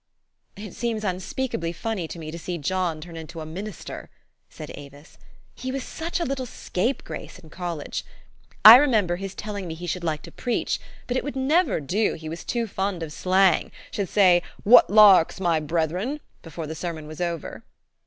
" It seems unspeakably funny to me to see John turn into a minister," said Avis. " He was such a little scapegrace in college ! I remember his telling me he should like to preach ; but it would never do, he was too fond of slang ; should say, ' Wot larks, my brethren !' before the sermon was over."